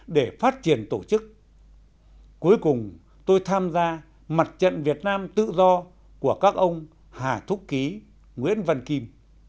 để phát triển tổ chức cuối cùng tôi tham gia mặt trận việt nam tự do của các ông hà thúc ký nguyễn văn kim